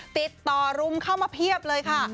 ติดต่อรุมเข้ามาเพียบเลยค่ะ